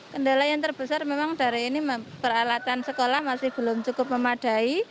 kendala yang terbesar memang dari ini peralatan sekolah masih belum cukup memadai